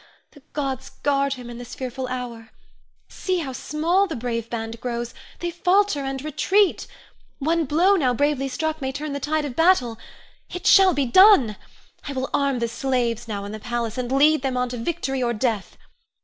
The gods guard him in this fearful hour! See how small the brave band grows; they falter and retreat. One blow now bravely struck may turn the tide of battle. It shall be done! I will arm the slaves now in the palace, and lead them on to victory or death.